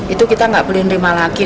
itu kita nggak boleh nerima lagi